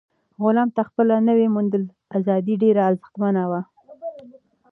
غلام ته خپله نوي موندلې ازادي ډېره ارزښتمنه وه.